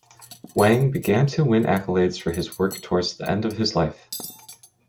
Wang began to win accolades for his work towards the end of his life.